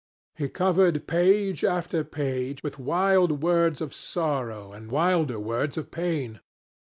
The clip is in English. He covered page after page with wild words of sorrow and wilder words of pain.